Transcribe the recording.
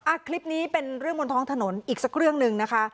คลิปนี้เป็นเรื่องบนท้องถนนอีกสักเรื่องหนึ่งนะคะ